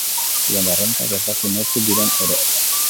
Jende arruntak ez daki nortzuk diren ere.